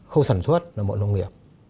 khâu sản xuất là mọi nông nghiệp